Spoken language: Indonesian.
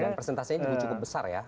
dan persentasenya juga cukup besar ya